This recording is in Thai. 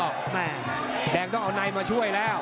แม่แดงต้องเอาในมาช่วยแล้ว